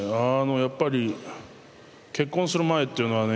やっぱり結婚する前っていうのはね